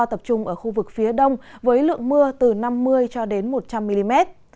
tập trung ở khu vực phía đông với lượng mưa từ năm mươi cho đến một trăm linh mm